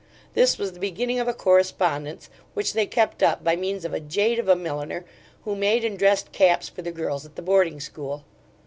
This was the beginning of a correspondence, which they kept up by means of a jade of a milliner, who made and dressed caps for the girls at the boarding school.